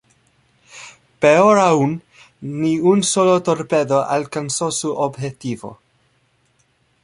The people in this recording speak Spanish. Peor aún, ni un solo torpedo alcanzó su objetivo.